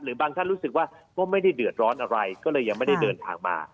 บางท่านรู้สึกว่าก็ไม่ได้เดือดร้อนอะไรก็เลยยังไม่ได้เดินทางมา